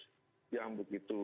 yang begitu yang begitu